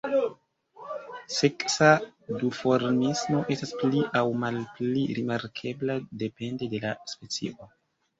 Seksa duformismo estas pli aŭ malpli rimarkebla depende de la specio.